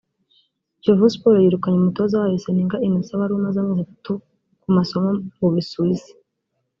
Kiyovu Sports yirukanye umutoza wayo Seninga Innocent wari umaze amezi atatu ku masomo mu Busuwisi